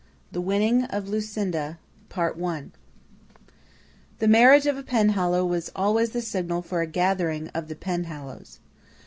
The Winning of Lucinda The marriage of a Penhallow was always the signal for a gathering of the Penhallows.